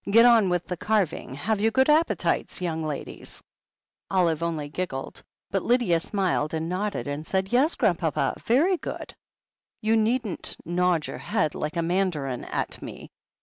"Get on with the carving. Have you good appetites, young ladies ?" Olive only giggled, but Lydia smiled and nodded, and said, "Yes, Grandpapa, v^ry good." "You needn't nod your head like a mandarin at me.